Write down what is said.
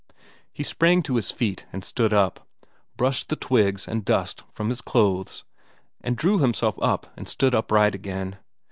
He sprang to his feet and stood up. Brushed the twigs and dust from his clothes and drew himself up and stood upright again.